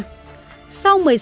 thành phố yangon myanmar